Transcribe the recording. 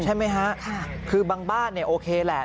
ใช่ไหมครับคือบางบ้านโอเคแหละ